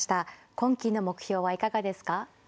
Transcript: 今期の目標はいかがですか。